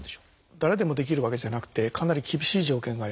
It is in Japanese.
誰でもできるわけじゃなくてかなり厳しい条件があります。